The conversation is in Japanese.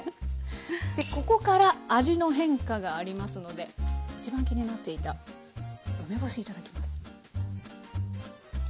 でここから味の変化がありますので一番気になっていた梅干しいただきます。